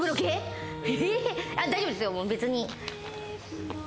大丈夫っすよ別に。